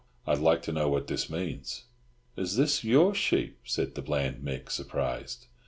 I'd like to know what this means?" "Is thim your sheep?" said the bland Mick, surprised.